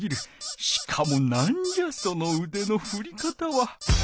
しかも何じゃそのうでのふり方は。